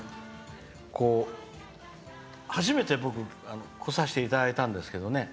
初めて僕来させていただいたんですけどね。